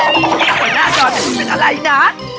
ขัวดนอดอลจะเป็นอะไรน่ะ